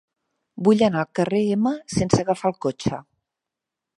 Vull anar al carrer Ema sense agafar el cotxe.